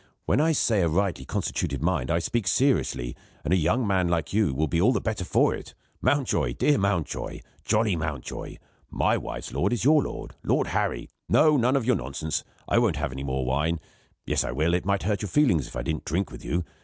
When I say a rightly constituted mind I speak seriously; and a young man like you will be all the better for it. Mountjoy! dear Mountjoy! jolly Mountjoy! my wife's lord is your lord Lord Harry. No; none of your nonsense I won't have any more wine. Yes, I will; it might hurt your feelings if I didn't drink with you.